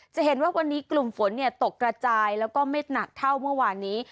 จะเห็นว่าวันนี้กลุ่มฝนตกกระจายแล้วก็ไม่หนักเท่าเมื่อวานนี้